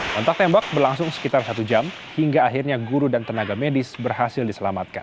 kontak tembak berlangsung sekitar satu jam hingga akhirnya guru dan tenaga medis berhasil diselamatkan